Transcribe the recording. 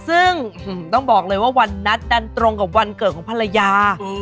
ซึ่งต้องบอกเลยว่าวันนัดดันตรงกับวันเกิดของภรรยา